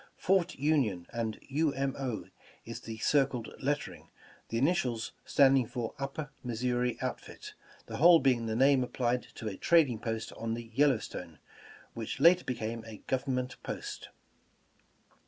"Fort Union" and "U. M. O." is the circled lettering, the initials standing for "Upper Missouri Outfit," the whole being the name applied to a trading post on the Yellowstone, which later be came a Government post.